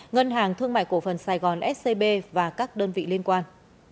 ngân hàng thương mại cổ phần sài gòn scb và các đơn vị liên quan